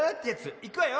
いくわよ。